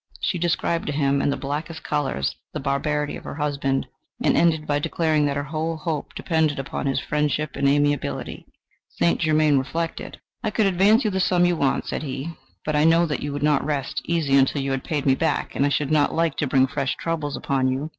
She described to him in the blackest colours the barbarity of her husband, and ended by declaring that her whole hope depended upon his friendship and amiability. "St. Germain reflected. "'I could advance you the sum you want,' said he; 'but I know that you would not rest easy until you had paid me back, and I should not like to bring fresh troubles upon you.